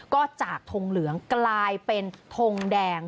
ก็จากทงเหลืองกลายเป็นทงแดง